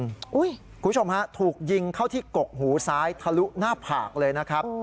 คุณผู้ชมฮะถูกยิงเข้าที่กกหูซ้ายทะลุหน้าผากเลยนะครับ